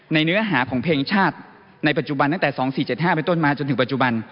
เนื้อหาของเพลงชาติในปัจจุบันตั้งแต่๒๔๗๕ไปต้นมาจนถึงปัจจุบัน